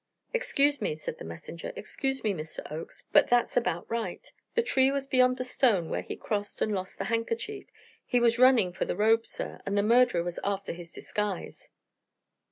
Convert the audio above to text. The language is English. "Excuse me," said the messenger, "excuse me, Mr. Oakes but that's about right. The tree was beyond the stone where he crossed and lost the handkerchief. He was running for the robe, sir; the murderer was after his disguise."